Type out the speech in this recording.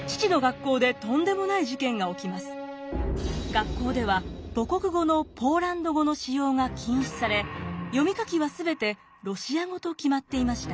学校では母国語のポーランド語の使用が禁止され読み書きは全てロシア語と決まっていました。